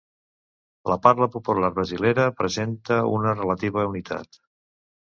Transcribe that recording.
La parla popular brasilera presenta una relativa unitat.